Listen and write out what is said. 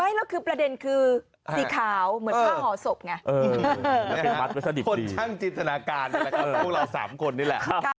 แล้วคือประเด็นคือสีขาวเหมือนผ้าห่อศพไงคนช่างจินตนาการนะครับพวกเรา๓คนนี่แหละ